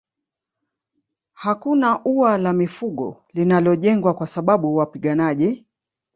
Hakuna ua la mifugo linalojengwa kwa sababu wapiganaji